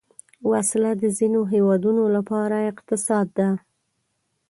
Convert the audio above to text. وسله د ځینو هیوادونو لپاره اقتصاد ده